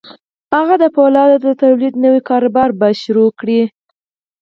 هغه د پولادو د تولید نوی کاروبار به پیلوي